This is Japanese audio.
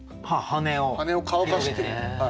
羽を乾かしている。